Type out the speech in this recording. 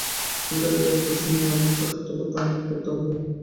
আমি রাগারাগি করছি নে, আমার যা কর্তব্য তা আমাকে করতেই হবে।